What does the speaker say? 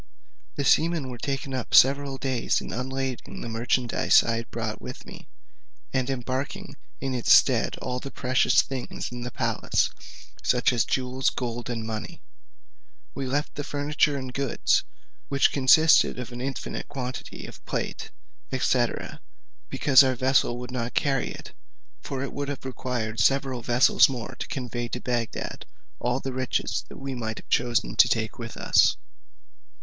The seamen were taken up several days in unlading the merchandize I brought with me, and embarking in its stead all the precious things in the palace, such as jewels, gold, and money. We left the furniture and goods, which consisted of an infinite quantity of plate, &c., because our vessel could not carry it, for it would have required several vessels more to convey to Bagdad all the riches that we might have chosen to take with us.